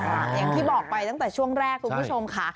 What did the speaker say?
อย่างที่บอกไปตั้งแต่ช่วงแรกคุณผู้ชมค่ะ